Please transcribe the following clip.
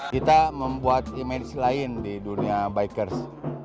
kita membuat image lain di dunia bikers